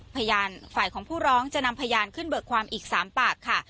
พยานฝ่ายของผู้ร้องจะนำพยานขึ้นเบิกความอีก๓ปากค่ะ